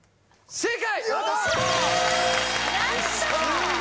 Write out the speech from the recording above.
正解！